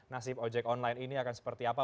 nasib ojek online ini akan seperti apa